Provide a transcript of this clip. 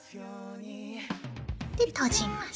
で閉じます。